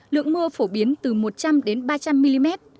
lượng mưa phổ biến từ một trăm linh đến ba trăm linh mm